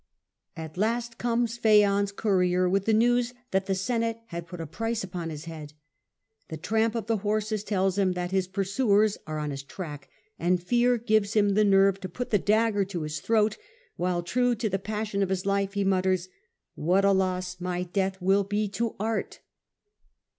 At last comes Phaon's courier with the news that the Senate had put a price upon his head ; the tramp of the horses tells him that his pursuers are on his track, and fear gives him the nerve to put the dagger to his throat, while, true to the passion of his life, he mutters, ' What a loss my death 122 A.D. 54 68, TTie Earlier Empire, will be to art